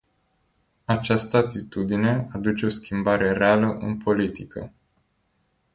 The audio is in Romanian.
Această atitudine aduce o schimbare reală în politică.